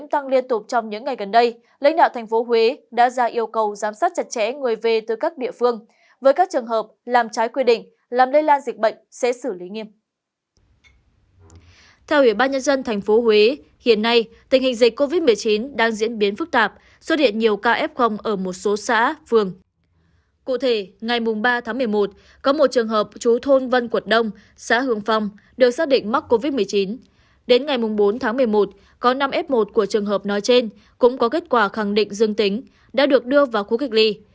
tối ngày bốn tháng một mươi một có năm f một của trường hợp nói trên cũng có kết quả khẳng định dương tính đã được đưa vào khu kịch ly